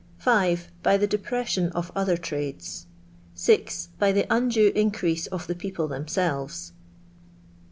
5. By the depression of other trades. 6. By the undue increase of the people them selves.